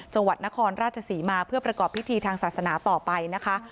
จังหวัดนครราชศรีมาเพื่อประกอบพิธีทางศาสนาต่อไปนะคะ